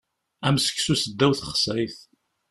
Am seksu seddaw texsayt.